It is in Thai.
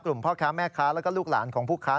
พ่อค้าแม่ค้าแล้วก็ลูกหลานของผู้ค้า